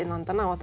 私